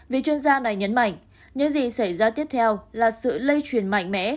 vì chuyên gia này nhấn mạnh những gì xảy ra tiếp theo là sự lây truyền mạnh mẽ